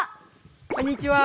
こんにちは！